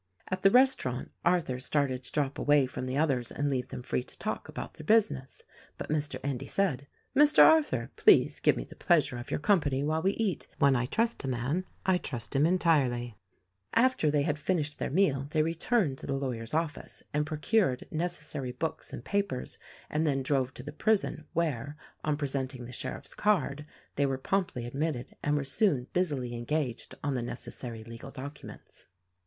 84 THE RECORDING ANGEL At the restaurant Arthur started to drop away from the others and leave them free to talk about their business; but Mr. Endy said, "Mr. Arthur, please give me the pleasure of your company while we eat — when I trust a man I trust him entirely." After they had finished their meal they returned to the lawyer's office and procured necessary books and papers and then drove to the prison where, on presenting the sheriff's card, they were promptly admitted and were soon busily engaged on the necessary legal documents.